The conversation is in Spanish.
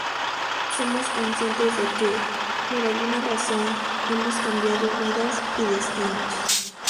Somos conscientes de que, por alguna razón, hemos cambiado vidas y destinos.